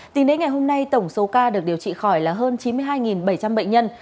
tính đến ngày hôm nay tổng số ca được điều trị khỏi là hơn chín mươi hai bảy trăm linh bệnh nhân